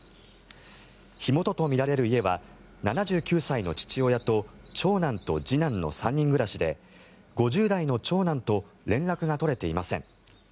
火元とみられる家は７９歳の父親と長男と次男の３人暮らしで５０代の長男と連絡が取れていません。